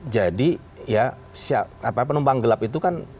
jadi ya penumpang gelap itu kan